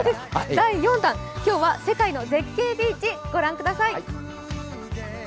第４弾、今日は世界の絶景ビーチ御覧ください。